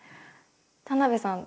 田辺さん